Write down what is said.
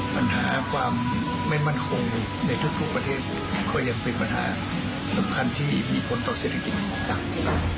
ปัญหาความไม่มั่นคงในทุกประเทศก็ยังเป็นปัญหาสำคัญที่มีผลต่อเศรษฐกิจต่างนะครับ